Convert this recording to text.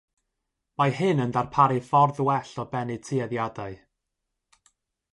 Mae hyn yn darparu ffordd well o bennu tueddiadau.